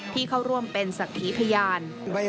เข้าร่วมเป็นศักดิ์ขีพยาน